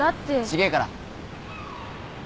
違えから。